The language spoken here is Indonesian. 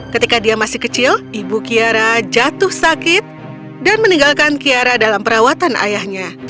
ketika dia masih kecil ibu kiara jatuh sakit dan meninggalkan kiara dalam perawatan ayahnya